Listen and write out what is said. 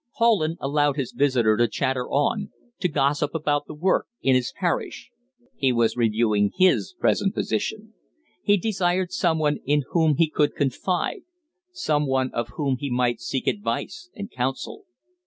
Poland allowed his visitor to chatter on to gossip about the work in his parish. He was reviewing his present position. He desired some one in whom he could confide; some one of whom he might seek advice and counsel.